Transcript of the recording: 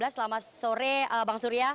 selamat sore bang surya